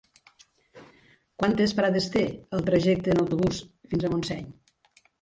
Quantes parades té el trajecte en autobús fins a Montseny?